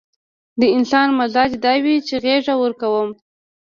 د انسان مزاج دا وي چې غېږه ورکوم.